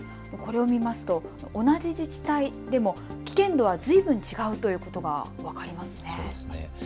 これを見ると同じ自治体でも危険度がずいぶん違うということが分かりますよね。